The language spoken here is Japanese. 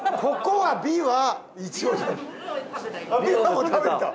びわも食べてた！